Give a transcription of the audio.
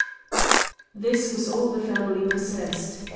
"This was all the family possessed.